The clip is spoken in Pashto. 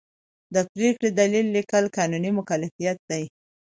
د پرېکړې دلیل لیکل قانوني مکلفیت دی.